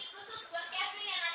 ih dingin banget sih nih orang